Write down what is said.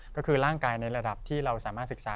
ก็คือร่างกายในระดับที่เราสามารถศึกษา